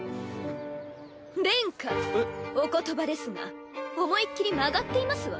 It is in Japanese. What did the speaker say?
殿下お言葉ですが思いっ切り曲がっていますわ。